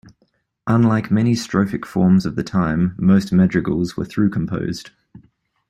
Unlike many strophic forms of the time, most madrigals were through-composed.